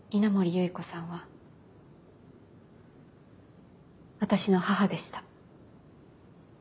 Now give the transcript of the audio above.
有依子さんは私の母でした。